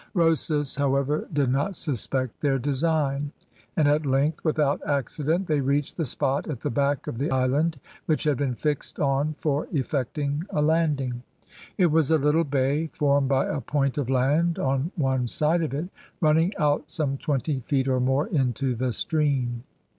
Rosas, however, did not suspect their design, and at length, without accident, they reached the spot at the back of the island, which had been fixed on for effecting a landing. It was a little bay, formed by a point of land on one side of it, running out some twenty feet or more into the stream.